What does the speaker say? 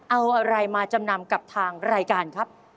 เอาอะไรมาจำนำกับทางรายการครับ